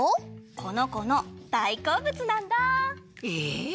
このこのだいこうぶつなんだ！えっ？